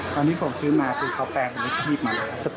ตอนนี้ผมซื้อมาคือเขาแปลงแล้วทีบมาเลย